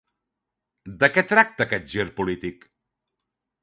De què tracta aquest gir polític?